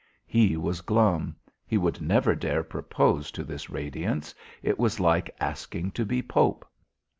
He was glum; he would never dare propose to this radiance; it was like asking to be pope.